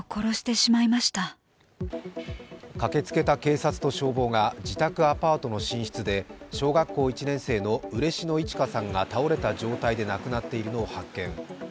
駆けつけた警察と消防が自宅アパートの寝室で小学校１年生の嬉野いち花さんが倒れた状態で亡くなっているのを発見。